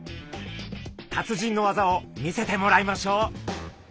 達人の技を見せてもらいましょう。